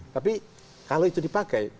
tapi kalau itu dipakai